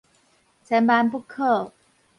千萬不可